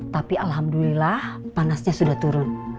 tapi alhamdulillah panasnya sudah turun